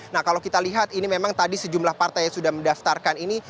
nah kalau kita lihat ini memang tadi sejumlah partai yang sudah mendaftarkan ini